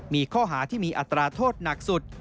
มีข้อหาที่มีอัตราโทษหนักสุด